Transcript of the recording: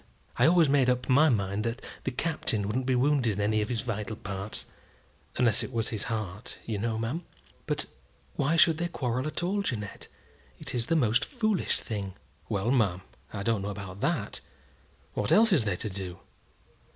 I always made up my mind that the Captain wouldn't be wounded in any of his wital parts unless it was his heart, you know, ma'am." "But why should they quarrel at all, Jeannette? It is the most foolish thing." "Well, ma'am, I don't know about that. What else is they to do?